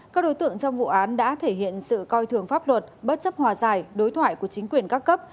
các đối tượng trong vụ án đã thể hiện sự coi thường pháp luật bất chấp hòa giải đối thoại của chính quyền các cấp